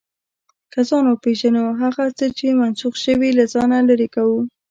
که ځان وپېژنو، هغه څه چې منسوخ شوي، له ځانه لرې کوو.